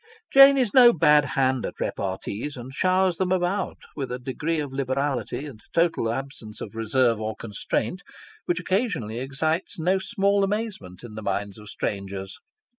Jane is no bad hand at repartees, and showers them about, with a degree of liberality and total absence of reserve or constraint, which occasionally excites no small amazement in the minds of strangers.